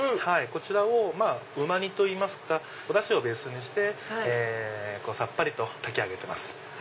こちらをうま煮といいますかおダシをベースにしてさっぱりと炊き上げてます。